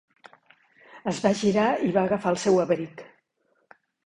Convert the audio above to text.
Es va girar i va agafar el seu abric.